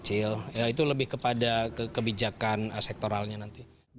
itu lebih kepada kebijakan sektoralnya nanti